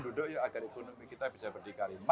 duduk yuk agar ekonomi kita bisa berdikari